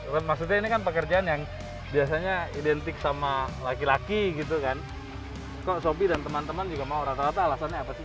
rata rata alasannya apa sih